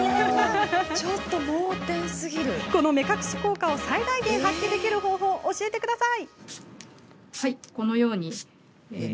この目隠し効果を最大限、発揮できる方法教えてください。